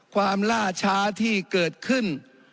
ล่าช้าที่เกิดขึ้น